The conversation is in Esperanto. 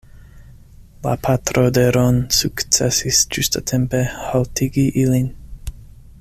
La patro de Ron sukcesis ĝustatempe haltigi ilin.